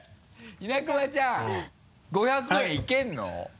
稲熊ちゃん５００円いけるの？